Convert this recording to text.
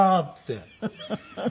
フフフフ。